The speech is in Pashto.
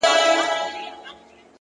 • نه یې هیله د آزادو الوتلو ,